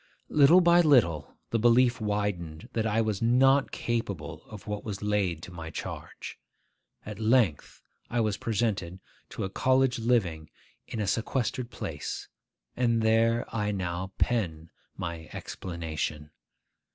Little by little, the belief widened that I was not capable of what was laid to my charge. At length I was presented to a college living in a sequestered place, and there I now pen my explanation.